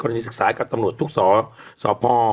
กรณีศึกษาให้กับตำรวจทุกศอพอ